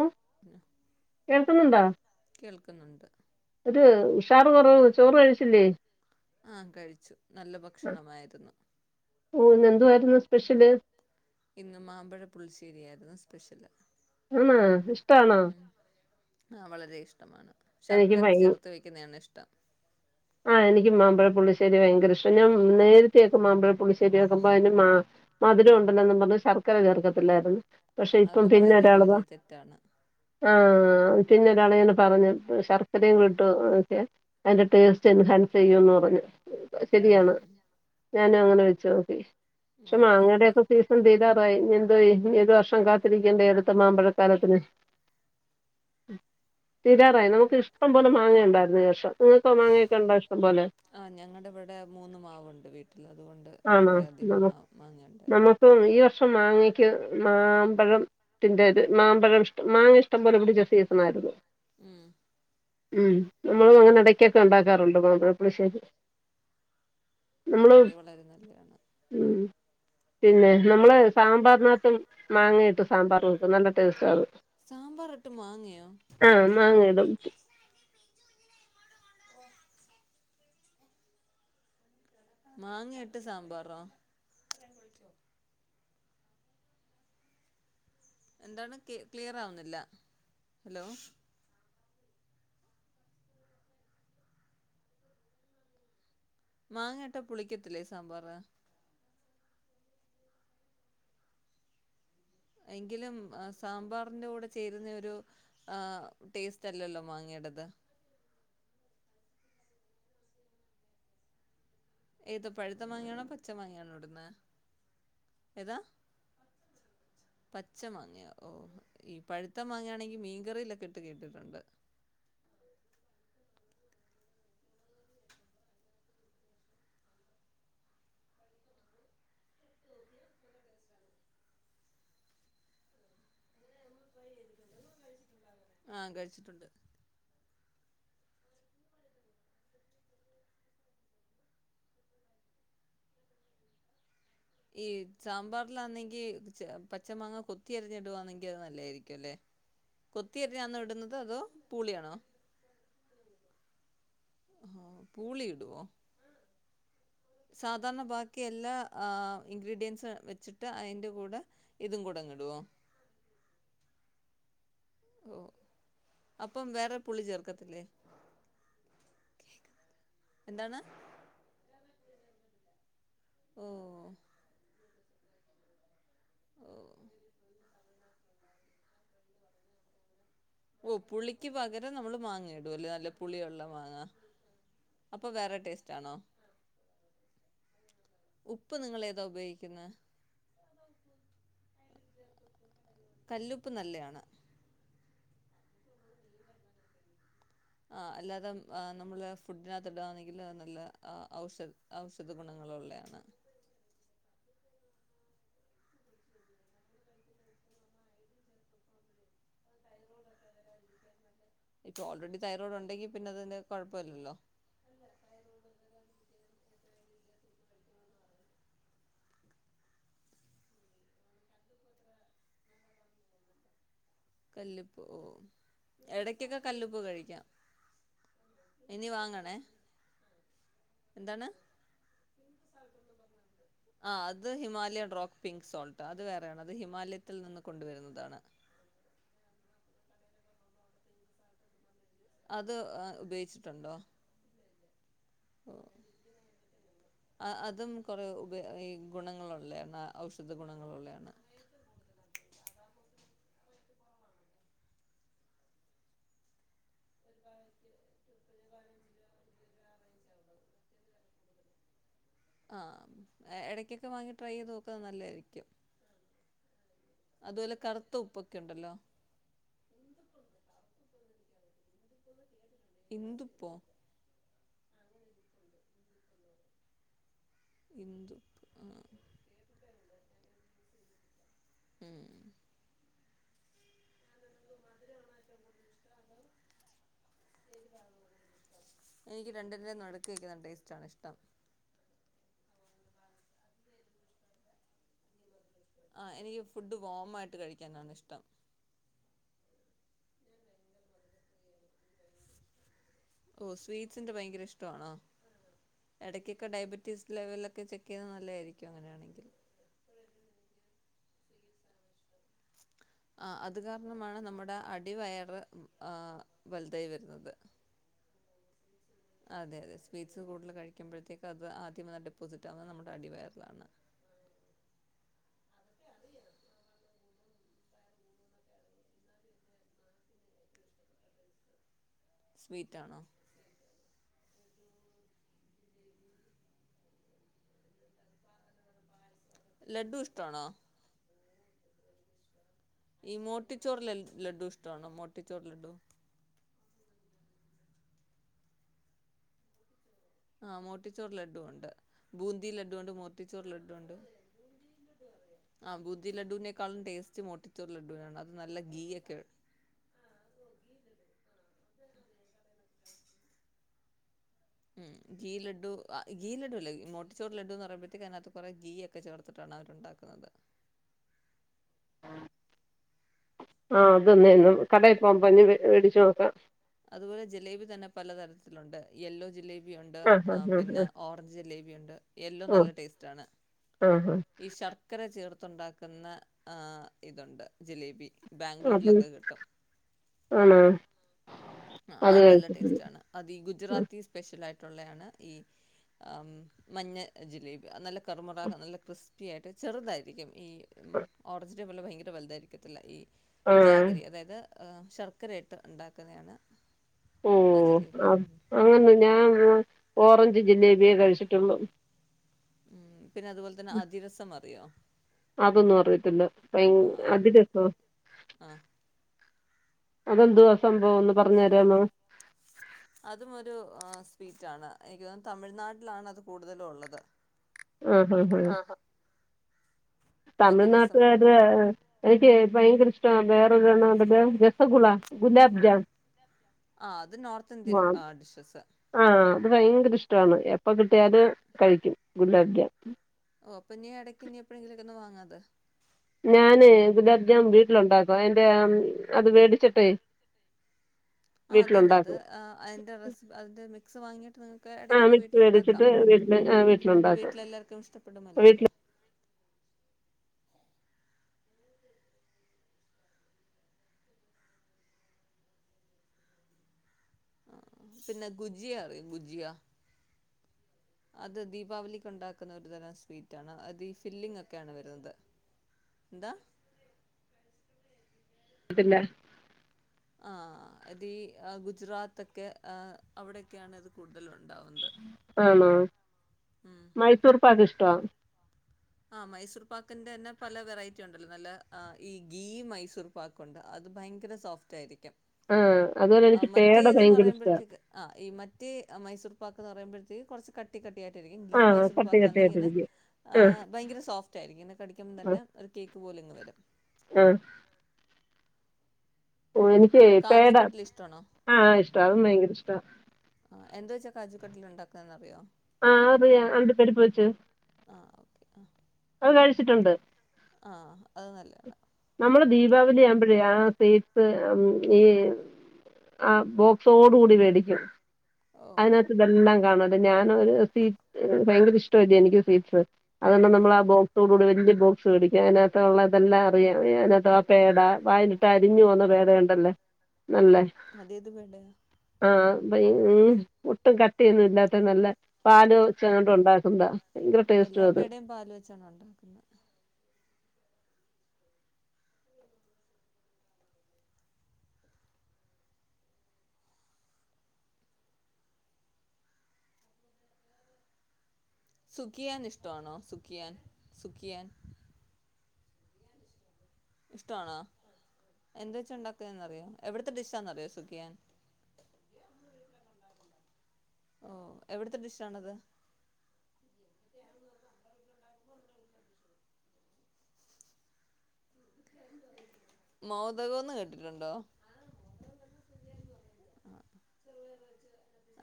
ഉം കേൾക്കുന്നുണ്ടാ കേൾക്കുന്നുണ്ട് ഒരു ഉഷാറ് കൊറവ് ചോറ് കഴിച്ചില്ലേ ആഹ് കഴിച്ചു നല്ല ഭക്ഷണമായിരുന്നു ഓഹ് ഇന്ന് എന്തുവാരുന്നു സ്പെഷ്യല് ഇന്ന് മാമ്പഴ പുളിശ്ശേരിയാരുന്നു സ്പെഷ്യല് ആണോ ഇഷ്ട ആണോ ഉം ആ വളരെ ഇഷ്ടമാണ് എനിക്ക് ശർക്കര ചേർത്ത് വെക്കുന്നതാണ് ഇഷ്ടം ആഹ എനിക്കും മാമ്പഴ പുള്ളിശേരി ഭയങ്കര ഇഷ്ടാ ഞാൻ നേരത്തെയൊക്കെ മാമ്പഴപുള്ളിശ്ശരി ശരിയാക്കുമ്പോ അതിന് മ മധുരം ഉണ്ടല്ലോന്ന് പറഞ്ഞ് ശർക്കര ചേർക്കത്തില്ലായിരുന്നു പക്ഷെ ഇപ്പം അത് പിന്നെ വളരെ ഒരു ഒരാള് ഇതാ വലിയ തെറ്റാണ് ആഹ് പിന്നെ ഒരാള് ന്നോട് പറഞ്ഞു ശർക്കരയും കൂടെ ഇട്ടോക് അതിന്റെ ടേസ്റ്റ് ടേസ്റ്റ് ഇൻഹാൻസ് ചെയ്യുമന്ന് പറഞ്ഞു ശരിയാണ് ഉം ഞാനും അങ്ങനെ വെച്ച് നോക്കി പക്ഷെ അതെ അതെ മാങ്ങടയൊക്കെ സി സീസൺ തീരാറായി ഇനി എന്തോയ്യും ഇനി ഏത് വർഷം കാത്തിരിക്കേണ്ട അടുത്ത മാമ്പഴക്കാലത്തിന് തീരാറായി നമുക്ക് ഇഷ്ടം പോലെ മാങ്ങ ഉണ്ടായിരുന്നു ഈ വർഷം നിങ്ങൾക്കോ മാങ്ങ ക്കെ ഇണ്ടോ ഇഷ്ടം പോലെ ആ ഞങ്ങടെ ഇവടെ മൂന്ന് മാവുണ്ട് വീട്ടിൽ അതുകൊണ്ട് ആണോ കുറേയധികം നമു മാവ് മാങ്ങയുണ്ടായിരുന്നു നമുക്ക് ഈ വർഷം മാങ്ങക്ക് മാമ്പഴം തിന്റേത് മാമ്പഴം ഇഷ്ടം മാങ്ങ ഇഷ്ടം പോലെ ഇണ്ട് [unintelligible] തിനായിരുന്നു ഉം ഉം നമ്മളും അങ്ങനെ ഇടക്കൊക്കെ ഉണ്ടാക്കാറുണ്ട് മാമ്പഴ പുളിശ്ശേരി നമ്മള് അതെ വളരെ നല്ലയാണ് ഉം പിന്നെ നമ്മള് സാമ്പാറിനകത്തും മാങ്ങിയിട്ട് സാമ്പാർ വെക്കും നല്ല ടേസ്റ്റ് അത് സാമ്പാർ ഇട്ട് മാങ്ങയോ ആഹ് മാങ്ങ ഇടും മാങ്ങ ഇട്ട് സാമ്പാറോ എന്താണ് ക്ലിയർ ആവുന്നില്ല ഹലോ മാങ്ങാ ഇട്ട പുളിക്കത്തില്ലേ സാമ്പാർ എങ്കിലും സാമ്പാറിന്റെ കൂടെ ചേരുന്ന ഒരു ആഹ് ടേസ്റ്റ് അല്ലല്ലോ മാങ്ങയുടേത് ഏത് പഴുത്ത മാങ്ങയാണോ പച്ച മാങ്ങണോ ഇടുന്നെ ഏതാ പച്ച മാങ്ങ ഓഹ് ഈ പഴുത്ത മാങ്ങയാണെങ്കിൽ മീൻകറിയിലൊക്കെ ഇട്ട് കേട്ടിട്ടുണ്ട് ആഹ് കഴിച്ചിട്ടുണ്ട് ഈ സാമ്പാറിലാന്നെങ്കി പച്ച മാങ്ങ കൊത്തി അരിഞ്ഞിടുവാന്നെങ്കി അത് നല്ലതായിരിക്കും അല്ലേ കൊത്തിയരിഞ്ഞന്ന ഇടുന്നത് അതോ പൂളിയാണോ ആഹ് പൂളി ഇടുവോ സാധാരണ ബാക്കി എല്ലാ ആ ഇൻഗ്രീഡിയൻസും വെച്ചിട്ട് അതിൻ്റെ കൂടെ ഇതും കൂടെ അങ്ങ് ഇടോ ഓഹ് അപ്പം വേറെ പുളി ചേർക്കത്തില്ലേ എന്താന്ന് ഓഹ് ഓഹ് ഓഹ്പുളിക്ക് പകരം നമ്മള് മാങ്ങ ഇടും അല്ലെ നല്ല പുളിയുള്ള മാങ്ങാ അപ്പൊ വേറെ ടേസ്റ്റ് ആണോ ഉപ്പ് നിങ്ങള് ഏതാ ഉപയോഗിക്കുന്നെ കല്ലുപ്പ് നല്ലയാണ് [inaudible] ആഹ് അല്ലാതെ നമ്മള് ഫുഡിനകത്ത് ഇടുവാണെങ്കില് നല്ല ഔഷധം ഔഷധ ഗുണങ്ങളുള്ളതാണ് ഇപ്പൊ ഓൾറെഡി തൈറോയ്ഡ് ഉണ്ടെങ്കി പിന്നെ അതിന് കൊഴപ്പില്ലല്ലോ കല്ലുപ്പ് ഓഹ് ഇടക്കൊക്കെ കല്ലുപ്പ് കഴിക്കാം ഇനി വാങ്ങണേ എന്താണ് [inaudible] ആ അത് ഹിമാലയൻ റോക്ക് പിങ്ക് സോൾട്ട് അത് വേറെയാണ് അത് ഹിമാലയത്തിൽ നിന്ന് കൊണ്ടുവരുന്നതാണ് അത് ഉപയോഗിച്ചിട്ടുണ്ടോ [inaudible] അതും കുറെ ഉപ ഈ ഗുണങ്ങളുള്ളതാണ് ഔഷധ ഗുണങ്ങളുള്ളതാണ് ഉം ഉം ആഹ് ഇടയ്ക്കൊക്കെ വാങ്ങി ട്രൈ ചെയ്ത് നോക്കുന്നത് നല്ലതായിരിക്കും അതുപോലെ കറുത്ത ഉപ്പൊക്കെ ഉണ്ടല്ലോ ഇന്ദുപ്പോ ഇന്ദുപ്പ് ആഹ് ഉം [inaudible] [unintelligible] എനിക്ക് രണ്ടിന്റേം നടുക്ക് നിക്കുന്ന ടേസ്റ്റാണ് ഇഷ്ടം ആഹ് എനിക്ക് ഫുഡ് വോമായിട്ട് കഴിക്കാനാണ് ഇഷ്ടം ഓഹ് സ്വീറ്റ്സിന്റെ ഭയങ്കര ഇഷ്ടമാണോ ഇടയ്ക്കൊക്കെ ഡയബറ്റീസ് ലെവലൊക്കെ ചെക്ക് ചെയ്യുന്നത് നല്ലതായിരിക്കും അങ്ങനെയാണെങ്കിൽ [inaudible] ആഹ് അത് കാരണമാണ് നമ്മുടെ അടിവയറ് ആ വലുതായി വരുന്നത് അതെ അതെ സ്വീറ്റ്സ് കൂടുതൽ കഴിക്കുമ്പോഴത്തേക്കും അത് ആദ്യം ഡെപ്പോസിറ്റ് ആവുന്നത് നമ്മുടെ അടിവയറിലാണ് സ്വീറ്റ് ആണോ ലഡ്ഡു ഇഷ്ടണോ ഈ മോട്ടിച്ചോറ് ലഡ്ഡു ഇഷ്ടമാണോ മോട്ടിച്ചോറ് ലഡ്ഡു ആഹ് മോട്ടിച്ചോറ് ലഡ്ഡുണ്ട് ബൂന്തി ലഡുണ്ട് മോർട്ടിച്ചോറ് ലഡു ഉണ്ട് ആഹ് ബൂദി ലഡുവിനേക്കാളും ടേസ്റ്റ് മോട്ടിച്ചോറ് ലഡുവിനാണ് അത് നല്ല ഗീ ഒക്കെ ഉണ്ട് ഉം ഗീ ലഡു ആ ഗീ ലഡുഅല്ലേ മോട്ടിച്ചോറ് ലഡു എന്ന് പറയുമ്പഴത്തേക്ക് അതിനകത്ത് കുറേ ഗീ ഒക് ക്കെ ചേർത്തിട്ടാണ് അവരുണ്ടാക്കുന്നത് ആഹ് അതൊന്നെ കടയിൽ പോവുമ്പോ മേടിച്ചു കൊടുക്കാം അതുപോലെ ജിലേബി തന്നെ പലതരത്തിലുണ്ട് യെല്ലോ ജിലേ യുണ്ട് ആ ഹാ ഹാ ഹാ പിന്നെ ഓറഞ്ച് ജലേബിയുണ്ട് യെല്ലോ നല്ല ടേസ്റ്റ് ആണ് ആഹ് ആഹ് ഈ ശർക്കര ചേർത്തുണ്ടാക്കുന്ന ആഹ് ഇതുണ്ട് ജിലേബി ബാംഗ്ലൂർലൊക്കെ കിട്ടും ആണ ആഹ് അത് നല്ല ടേസ്റ്റ് ആണ് അത് ഈ ഗുജറാത്തി സ്പെഷ്യലായിട്ടുള്ളയാണ് ഈ മഞ്ഞ ജിലേബി അത് നല്ല കറ്മുറ നല്ല ക്രിസ്പി ആയിട്ട് ചെറുതായിരിക്കും ഈ ഓറഞ്ചിനെ പോലെ ഭയങ്കര വലുതായിരിക്കത്തില്ല ഈ ആ ജാഗരി അതായത് ശർക്കരയിട്ട് ഉണ്ടാക്കുന്നയാണ് ആഹ് ജിലേബി അങ്ങന്ന് ഞാനെന്നാ ഓറഞ്ച് ജിലേബിയേ കഴിച്ചിട്ടൊള്ളു മ് പിന്നെ അതുപോലെ തന്നെ അതിരസം അറിയോ? അതൊന്നും അറിയത്തില്ല ഭയ ആ അതിരസോ? ആ അതെന്തുവാ സംഭവം ഒന്ന് പറഞ്ഞു തരാമോ? അതുമൊരു സ്വീറ്റാണ് എനിക്ക് തോന്ന്ന്ന് തമിഴ്നാട്ടിലാണ് അത് കൂടുതലും ഉള്ളത് മ്ഹ്ഹ് ഹ് അതിരസം എന്ന് തമിഴ്നാട്ട്കാര്ടെ പറയും എനിക്ക് ഭയങ്കര ഇഷ്ട വേറൊരെണ്ണം ഉണ്ടല്ലോ? രസഗുള, ഗുലാബ് ജാം ആഹ് അത് നോർത്ത് ഇന്ത്യൻ ഡിഷസ് ആഹ് അത് ഭയങ്കര ഇഷ്ടവാണ് എപ്പ കിട്ടിയാലും കഴിക്കും ഗുലാബ്ജ ഓ അപ്പൊ നീ ഇടയ്ക്ക് എനി എപ്പോഴെങ്കിലിരിന്ന് വാങ്ങാത് ഞാന് ഗുലാംജാം വീട്ടിലുണ്ടാക്കും അയിന്റെ അത് മേടിച്ചിട്ടെ ആഹ്‌ അതന്നെ അത് അതിന്റെ റെസിപ്പി അതിന്റെ മിക്സ് വാങ്ങിയിട്ട് നി ഒക്കെ ആ എടക്കൊക്കെ മിക്സ് വീട്ടിലുണ്ടാക്കാം മേടിച്ചിട്ട് വീട്ടിൽ ആ വീട്ടിലുണ്ടാക്കും വീട്ടിലെല്ലാവർക്കും ഇഷ്ടപ്പെടുമല്ലോ അത് വീട്ടിൽ ആഹ് പിന്നെ ഗുജിയാ അറിയോ ഗുജിയാ? അത് ദീപാവലിക്ക് ഉണ്ടാക്കുന്ന ഒരു തരം സ്വീറ്റ് ആണ് അത് ഈ ഫില്ലിങ് ഒക്കെയാണ് വരുന്നത് എന്ത്? അതില്ല ആ അത് ഈ ഗുജറാത്തെക്കെ അവിക്കെയാണ് ഇത് കൂടുതലുണ്ടാവുന്നത് ആണോ മൈസൂർ പാക്ക് ഇഷ്ടെവാ? ആഹ് മൈസൂർ പാക്കിന്റെ തന്നെ പല വെറൈറ്റി ഉണ്ടല്ലോ നല്ല ഈ ഗീ മൈസൂർ പാക്കുണ്ട് അത് ഭയങ്കര സോഫ്റ്റ് ആയിരിക്കും ആഹ് അതുപോലെ ആഹ് എനിക്ക് പേട മറ്റേതെന്ന് ഭയങ്കര ഇഷ്ട്ടെവാ പറയുമ്പോഴത്തേക്ക് ആഹ് ഈ മറ്റേ മൈസൂർ പാക്ക്ന്ന് പറയുമ്പോഴത്തേക്ക് കൊറച്ച് കട്ടി കട്ടി കട്ടിയായിട്ടിരിക്കും ഗീ ആഹ് മൈസൂർ കട്ടി പക്കാണിങ്ങനെ കട്ടിയായിട്ടിരിക്കും ആഹ് ഭയങ്കര സോഫ് റ്റായിരിക്കും ഇങ്ങനെ കടിക്കുമ്പോ തന്നെ ആഹ് അത് കേക്ക് പോലെ ഇങ്ങ് വരും ആഹ് ഓ എനിക്ക് കാജു പേട കട്ട്ലി ഇഷ്ടമാണോ ആ ഇഷ്ടവാ അതും ഭയങ്കര ഇഷ്ട ആ എന്ത് വെച്ചാ കാജു കട്ടില് ഉണ്ടാക്കാന്നറിയോ? ആഹ് അറിയാ അണ്ടപ്പരിപ്പ് വെച്ച് ആഹ് ഓക്കെ അത് കഴിച്ചിട്ടുണ്ട് ആഹ് അത് നല്ലാണ് നമ്മള് ദീപാവലി ആവുമ്പഴേ ആഹ് സ്വീറ്റ്സ് മം ഈ ആഹ് ബോ ക്സോടു കൂടി മേടിക്കും ഓഹ് അതിനാത്ത് ഇതെല്ലാം കാണും അപ്പം ഞാനൊരു സ്വീറ്റ് ഏഹ് ഭയങ്കര ഇഷ്ടവല്ലെ എനിക്ക് സ്വീറ്റ്സ് അതുകൊണ്ട് ഉം നമ്മളാ ബോക്സോടൂടി വല്യ ബോക്സ് മേടിക്കും അതിനാത്ത് ഒള്ളതെല്ലാം അറിയാം ഏഹ് അതിനാത്താ പേട വായിലിട്ടാ അലിഞ്ഞു പോന്ന പേടയൊണ്ടല്ലോ നല്ലെ അതേത് പേടേയാ? ആഹ് ഇപ ഈ ഉം ഒട്ടും കട്ടിയൊന്നും ഇല്ലാത്ത നല്ല പാലോ വെച്ചൊ എങ്ങാണ്ട് ഒണ്ടാക്കുന്ന്താ ഭയങ്കര എല്ലാ ടേസ്റ്റുവാ അത് പേടയും പാല് വെച്ചാണ് ഒണ്ടാക്കുന്നെ സുഖിയാൻ ഇഷ്ടവാണോ? സുഖിയാൻ സുഖിയാൻ ഇഷ്ടവാണോ? എന്ത് വെച്ചാ ഒണ്ടാക്കുന്നെന്ന് അറിയോ? എവിടുത്തെ ഡിഷാന്നറിയോ സുഖിയാൻ? ഓഹ് എവിടത്തെ ഡിഷാണത്? [inaudible] മോതകോന്ന് കേട്ടിട്ടൊണ്ടോ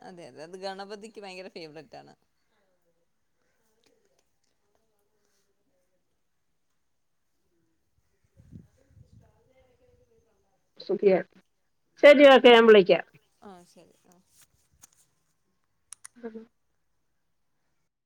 അതെ അതെ അത് ഗണപതിക്ക് ഭയങ്കര ഫേവറേറ്റാണ് സുഖിയാൻ ശെരി കേട്ടോ ഞാൻ വിളിക്കാം ആഹ് ശെരി ആഹ് [unintelligible]